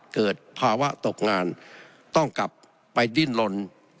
เกิดภาวะตกงานต้องกลับไปดิ้นลน